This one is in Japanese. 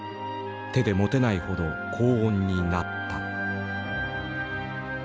手で持てないほど高温になった。